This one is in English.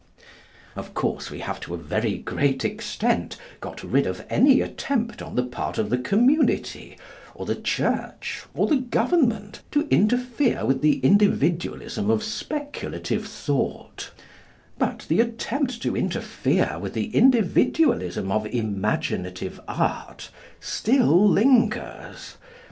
Of course, we have to a very great extent got rid of any attempt on the part of the community, or the Church, or the Government, to interfere with the individualism of speculative thought, but the attempt to interfere with the individualism of imaginative art still lingers.